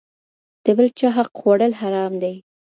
د بل چا حق خوړل حرام دي.